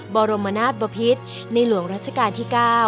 บรมนาศบพิษในหลวงรัชกาลที่๙